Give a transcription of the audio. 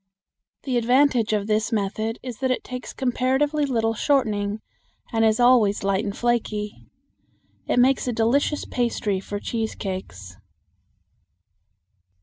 The advantage of this method is that it takes comparatively little shortening and is always light and flaky. It makes a delicious pastry for cheese cakes.